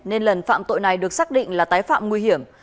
nên lần phạm tội này được xác định là tái phạm nguy hiểm